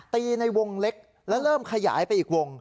ในวงเล็กแล้วเริ่มขยายไปอีกวง